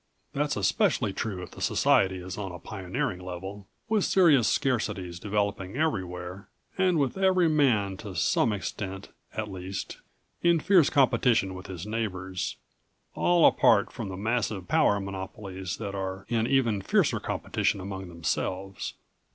"That's especially true if the society is on a pioneering level, with serious scarcities developing everywhere and with every man, to some extent at least, in fierce competition with his neighbors, all apart from the massive power monopolies that are in even fiercer competition among themselves.